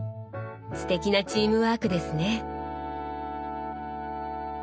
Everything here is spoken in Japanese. すてきなチームワークですね。